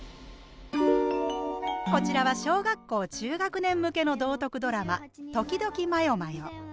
こちらは小学校中学年向けの道徳ドラマ「時々迷々」。